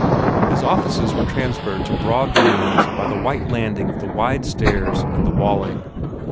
His offices were transferred to broad rooms by the white landing of the wide stairs in the Walling.